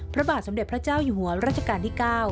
พระบาทสมเด็จพระเจ้าอยู่หัวรัชกาลที่๙